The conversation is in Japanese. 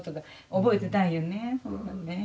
覚えてないよねえ